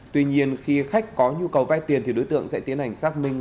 tuy nhiên khi khách có nhu cầu vay tiền thì đối tượng sẽ tiến hành xác minh